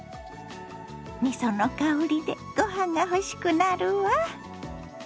みその香りでご飯が欲しくなるわ。